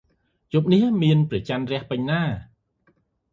យប់នេះមានព្រះច័ន្ទរះពេញណា ។